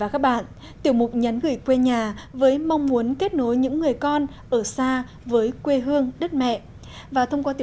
cảm ơn các bạn đã theo dõi